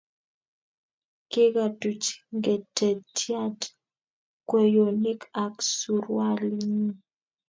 kigatuch ngetetyaat kweyonik ak surualinyi